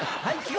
はい。